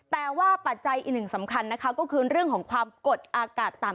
แต่ว่าปัจจัยอีกหนึ่งสำคัญนะคะก็คือเรื่องของความกดอากาศต่ำ